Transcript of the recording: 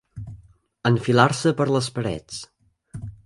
Enfilar-se per les parets.